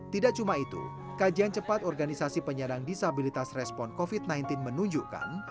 tidak cuma itu kajian cepat organisasi penyandang disabilitas respon covid sembilan belas menunjukkan